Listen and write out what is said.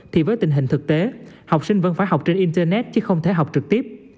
thì với tình hình thực tế học sinh vẫn phải học trên internet chứ không thể học trực tiếp